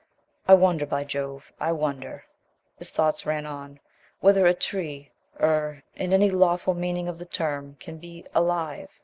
"I wonder; by Jove, I wonder," his thoughts ran on, "whether a tree er in any lawful meaning of the term can be alive.